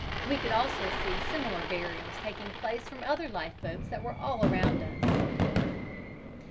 We could also see similar burials taking place from other life boats that were all around us."